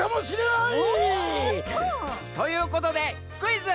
おっと！ということで「クイズ！